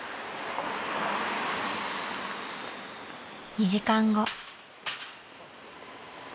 ［２時間後］